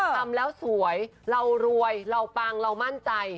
ทำแล้วสวยเรารวยเราปังเรามั่นใจ